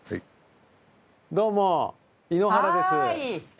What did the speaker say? どうも井ノ原です。